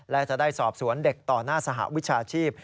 และจะได้สอบสวนเด็กต่อหน้าสหวิชาชีพ